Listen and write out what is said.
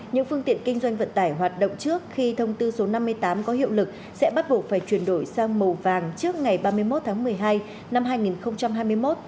những phương tiện kinh doanh vận tải hoạt động trước khi thông tư số năm mươi tám có hiệu lực sẽ bắt buộc phải chuyển đổi sang màu vàng trước ngày ba mươi một tháng một mươi hai năm hai nghìn hai mươi một